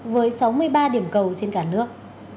với sáu mươi ba điểm cầu trên cả nước